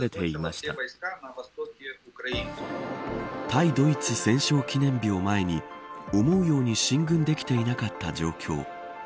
対ドイツ戦勝記念日を前に思うように進軍できていなかった状況。